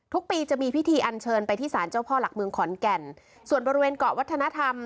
ทุกปีจะมีพิธีอันเชิญไปที่ศาลเจ้าพ่อหลักเมืองขอนแก่นส่วนบริเวณเกาะวัฒนธรรม